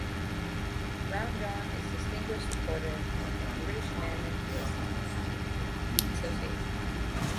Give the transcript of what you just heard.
Brownjohn is a Distinguished Supporter of the British Humanist Association.